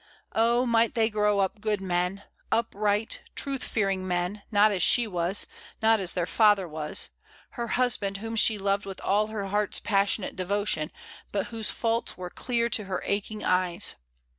Oh, might they grow up good men, upright, truth fearing men, not as she was, not as their father was; her husband whom she loved with all her heart's passionate devotion, but whose faults COFFEE. 59 were clear to hef aching eyes.